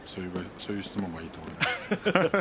そういう質問がいいと思います。